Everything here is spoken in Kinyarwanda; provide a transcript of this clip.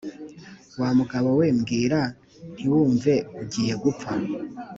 wa mugabo we mbwira ntiwumve, ugiye gupfa.